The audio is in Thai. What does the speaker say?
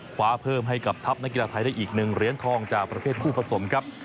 คว้าเพิ่มให้กับทัพนักกีฬาไทยได้อีก๑เหรียญทองจากประเภทคู่ผสมครับ